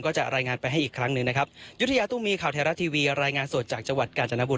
ก็จะรายงานไปให้อีกครั้งหนึ่งนะครับ